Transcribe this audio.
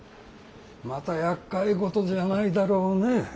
またやっかい事じゃないだろうね。